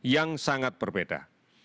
yang sangat berbeda